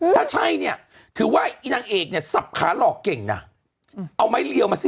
ถ้าใช่เนี่ยถือว่าอีนางเอกเนี่ยสับขาหลอกเก่งนะเอาไม้เรียวมาสิ